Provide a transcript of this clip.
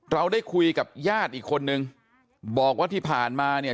เราได้คุยกับญาติอีกคนนึงบอกว่าที่ผ่านมาเนี่ย